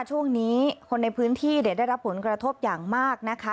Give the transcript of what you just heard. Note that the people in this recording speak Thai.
ช่วงนี้คนในพื้นที่ได้รับผลกระทบอย่างมากนะคะ